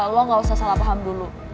lo gak usah salah paham dulu